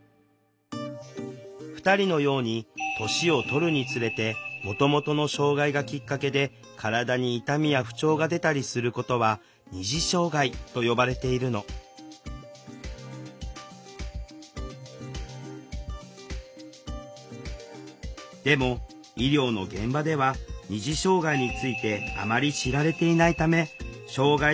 ２人のように年をとるにつれてもともとの障害がきっかけで体に痛みや不調が出たりすることは「二次障害」と呼ばれているのでも医療の現場ではって言われたんですよ。